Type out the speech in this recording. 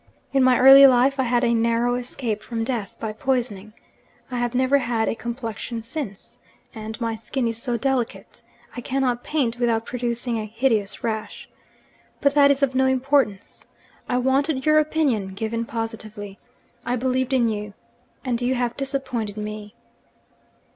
'In my early life I had a narrow escape from death by poisoning. I have never had a complexion since and my skin is so delicate, I cannot paint without producing a hideous rash. But that is of no importance. I wanted your opinion given positively. I believed in you, and you have disappointed me.'